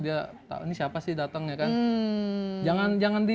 ini siapa sih datangnya kan